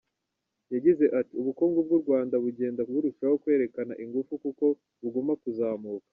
Yagize ati : “Ubukungu bw’u Rwanda bugenda burushaho kwerekana ingufu kuko buguma kuzamuka.